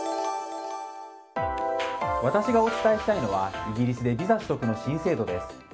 私がお伝えしたいのはイギリスでビザ取得の新制度です。